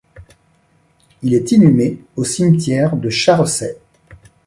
Il est inhumé au cimetière de Charrecey.